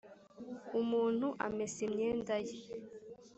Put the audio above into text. umuntu amesa imyenda ye.